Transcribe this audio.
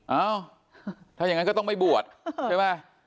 เอ้าถ้าอย่างนั้นก็ต้องไม่บวชใช่ไหม